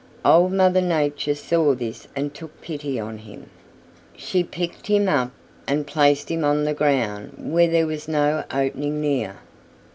Old Mother Nature saw this and took pity on him. She picked him up and placed him on the ground where there was no opening near.